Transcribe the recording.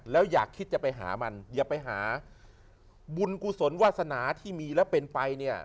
แล้วอยากคิดจะไปหามันอย่าไปหาบุญกุศลวาสนาที่มีแล้วเป็นไปเนี่ย